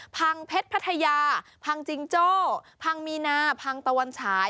พังเพชรพัทยาพังจิงโจ้พังมีนาพังตะวันฉาย